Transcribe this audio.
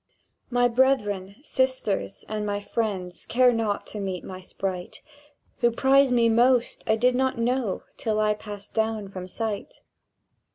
"My brethren, sisters, and my friends Care not to meet my sprite: Who prized me most I did not know Till I passed down from sight."